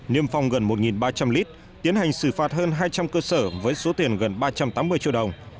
niêm phong gần một ba trăm linh lít tiến hành xử phạt hơn hai trăm linh cơ sở với số tiền gần ba trăm tám mươi triệu đồng